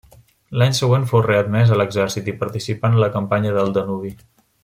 L'any següent fou readmès a l'exèrcit i participà en la campanya del Danubi.